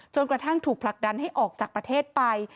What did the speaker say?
กระทั่งถูกผลักดันให้ออกจากประเทศไป